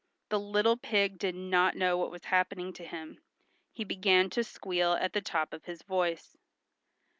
The little pig did not know what was happening to him. He began to squeal at the top of his voice.